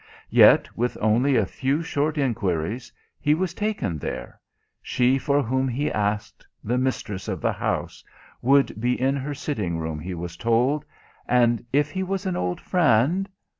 Yet with only a few short inquiries he was taken there she for whom he asked, the mistress of the house, would be in her sitting room, he was told, and if he was an old friend...?